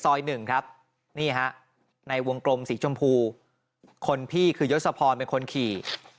หนึ่งครับนี่ฮะในวงกลมสีชมพูคนพี่คือยศพรเป็นคนขี่